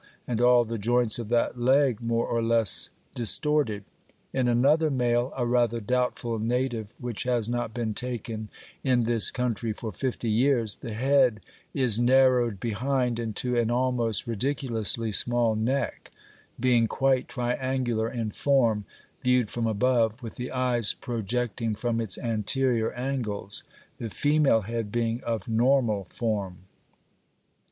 25), and all the joints of that leg more or less distorted; in another male (a rather doubtful native which has not been taken in this country for fifty years) the head is narrowed behind into an almost ridiculously small neck, being quite triangular in form, viewed from above, with the eyes projecting from its anterior angles (fig. 27, 1), the female head being of normal form (fig.